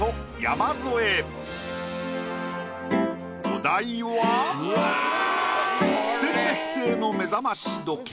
お題はステンレス製の目覚まし時計。